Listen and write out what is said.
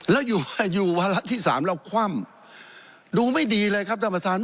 แล้วอยู่วาระที่สามเราคว่ำดูไม่ดีเลยครับท่านประธาน